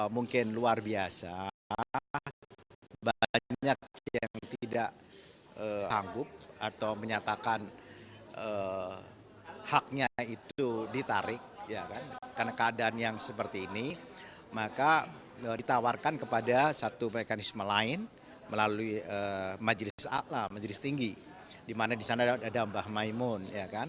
mungkin luar biasa banyak yang tidak sanggup atau menyatakan haknya itu ditarik karena keadaan yang seperti ini maka ditawarkan kepada satu mekanisme lain melalui majelis atlam majelis tinggi dimana disana ada mbah maimun